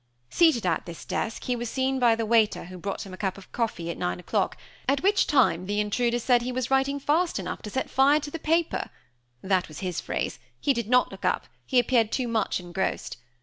"Seated at this desk he was seen by the waiter who brought him a cup of coffee at nine o'clock, at which time the intruder said he was writing fast enough to set fire to the paper that was his phrase; he did not look up, he appeared too much engrossed.